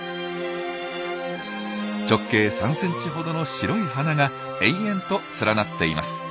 直径３ｃｍほどの白い花が延々と連なっています。